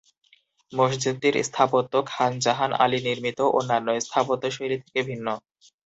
মসজিদটির স্থাপত্যশৈলী খান জাহান আলী নির্মিত অন্যান্য স্থাপত্যশৈলী থেকে ভিন্ন।